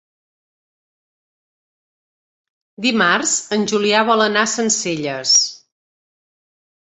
Dimarts en Julià vol anar a Sencelles.